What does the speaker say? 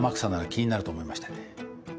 気になると思いましてね。